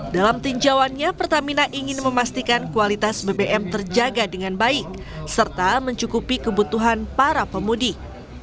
dalam tinjauannya pertamina ingin memastikan kualitas bbm terjaga dengan baik serta mencukupi kebutuhan para pemudik